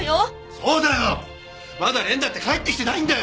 そうだよまだ蓮だって帰ってきてないんだよ！